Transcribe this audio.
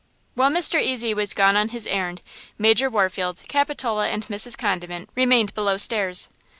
While Mr. Ezy was gone on his errand, Major Warfield, Capitola and Mrs. Condiment remained below stairs.